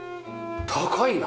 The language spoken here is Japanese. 高いな。